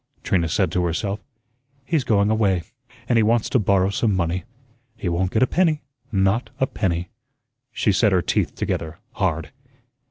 Trina said to herself. "He's going away, and he wants to borrow some money. He won't get a penny, not a penny." She set her teeth together hard.